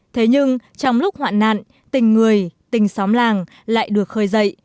thế nhưng trong lúc hoạn nạn tình người tình xóm làng lại được khơi dậy